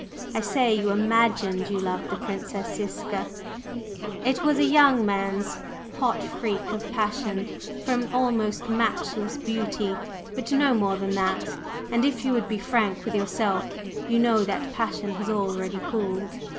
I say you imagined you loved the Princess Ziska, it was a young man's hot freak of passion for an almost matchless beauty, but no more than that. And if you would be frank with yourself, you know that passion has already cooled.